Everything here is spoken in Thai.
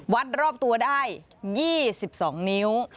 รอบตัวได้๒๒นิ้ว